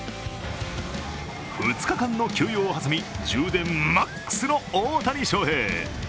２日間の休養を挟み充電マックスの大谷翔平。